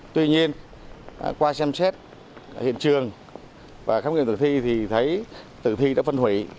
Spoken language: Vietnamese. tuy nhiên qua xem xét hiện trường và khám nghiệm tử thi thì thấy tử thi đã phân hủy